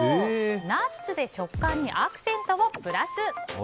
ナッツで食感にアクセントをプラス！